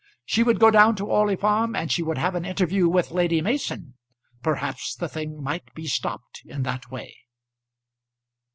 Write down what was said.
She would go down to Orley Farm and she would have an interview with Lady Mason. Perhaps the thing might be stopped in that way.